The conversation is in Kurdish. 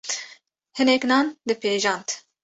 hinek nan dipêjand